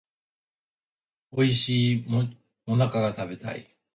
おいしい最中が食べたい